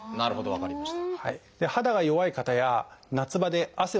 分かりました。